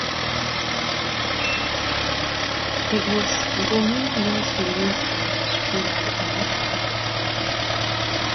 It was the only World Series in history to end on a bunt.